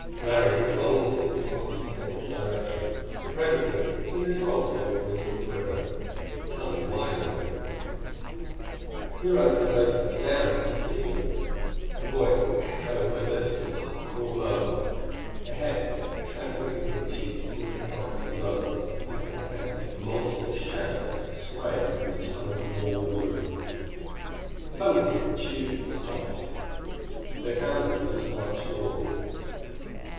Larry had long since lost his sense of direction, but presently Tina told him that they were beneath the river. The tunnel widened a little. "We are under the base of the dam," said Tina. Her voice echoed with a sepulchral blur. Ahead, the tramping figure of Tugh seemed a black gnome with a fantastic, monstrous shadow swaying on the tunnel wall and roof. Suddenly Tugh stopped. They found him at an arched door.